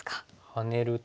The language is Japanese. ハネると。